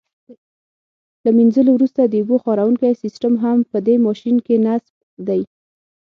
له منځلو وروسته د اوبو خاروونکی سیسټم هم په دې ماشین کې نصب دی.